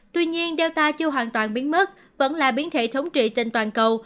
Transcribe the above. tuy nhiên do chưa hoàn toàn biến mất vẫn là biến thể thống trị trên toàn cầu